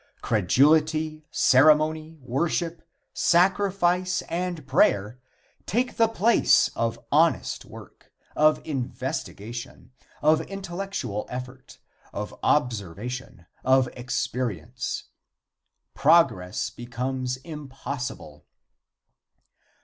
Credulity, ceremony, worship, sacrifice and prayer take the place of honest work, of investigation, of intellectual effort, of observation, of experience. Progress becomes impossible.